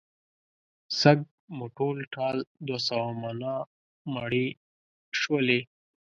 سږ مو ټول ټال دوه سوه منه مڼې شولې.